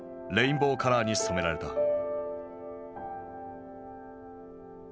レインボーカラーに染められた。